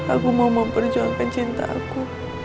aku mau memperjuangkan cinta aku